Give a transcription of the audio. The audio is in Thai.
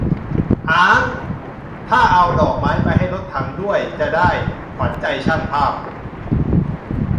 อ๊าง ถ้าเอาดอกไม้ไปให้รถถังด้วย จะได้ 'ขวัญใจช่างภาพ'